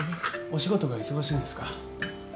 お仕事が忙しいんですか？